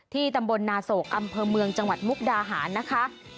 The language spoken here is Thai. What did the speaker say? ตำบลนาโศกอำเภอเมืองจังหวัดมุกดาหารนะคะ